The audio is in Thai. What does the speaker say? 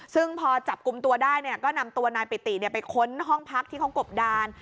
ซึ่งพอจับกลุ่มตัวได้ก็นำตัวนายปิติไปค้นห้องพักที่เขากบดาน